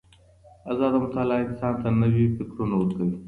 ازاده مطالعه انسان ته نوي فکرونه ورکوي.